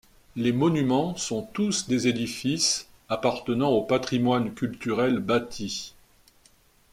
Les monuments sont tous des édifices appartenant au patrimoine culturel bâti.